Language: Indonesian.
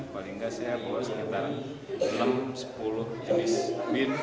paling nggak saya bawa sekitar enam sepuluh jenis bin